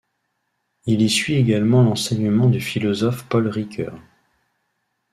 Il y suit également l’enseignement du philosophe Paul Ricœur.